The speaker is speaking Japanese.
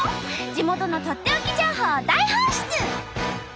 地元のとっておき情報を大放出！